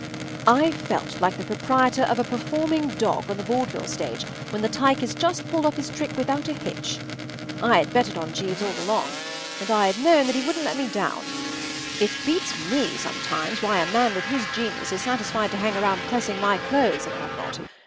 ” I felt like the proprietor of a performing dog on the vaudeville stage when the tyke has just pulled off his trick without a hitch. I had betted on Jeeves all along, and I had known that he wouldn’t let me down. It beats me sometimes why a man with his genius is satisfied to hang around pressing my clothes and what not.